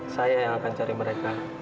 saya yang akan cari mereka